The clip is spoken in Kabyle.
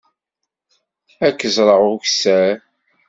Ad k-ẓreɣ ukessar.